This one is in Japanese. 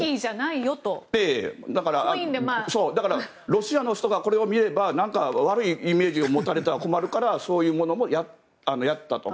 ロシアの人がこれを見ればなんか悪いイメージを持たれたら困るからそういうものもやったと。